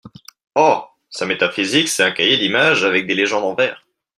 Oh ! sa métaphysique, c'est un cahier d'images avec des légendes en vers.